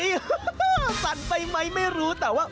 สั่นไปไหมไม่รู้แต่ว่า